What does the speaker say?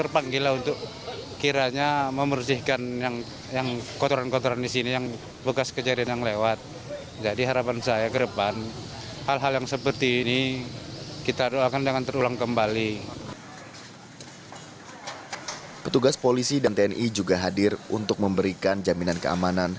petugas polisi dan tni juga hadir untuk memberikan jaminan keamanan